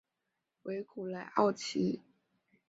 维古莱奥齐。